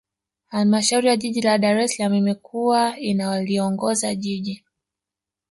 Halmashauri ya Jiji la Dar es Salaam imekuwa inaliongoza Jiji